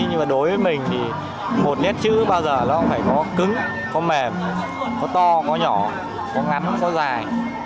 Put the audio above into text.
nhưng mà đối với mình thì một nét chữ bao giờ nó cũng phải có cứng có mềm có to có nhỏ có ngắn có dài